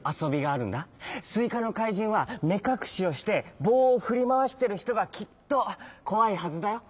すいかのかいじんはめかくしをしてぼうをふりまわしてるひとがきっとこわいはずだよ。